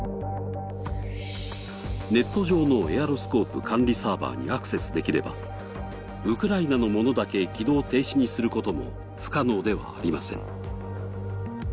ネット上のエアロスコープ管理サーバーにアクセスできればウクライナのものだけ起動停止にすることも不可能ではありません。